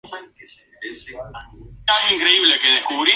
El parque protege parte de la ecorregión húmeda puna andina central.